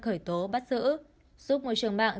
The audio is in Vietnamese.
khởi tố bắt giữ giúp môi trường mạng